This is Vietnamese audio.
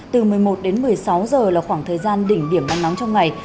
từ một mươi một đến một mươi sáu giờ là khoảng thời gian đỉnh điểm nắng nóng trong ngày